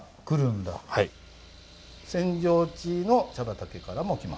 扇状地の茶畑からも来ます。